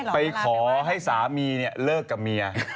ไปขอให้สามีเลิกกับเมีย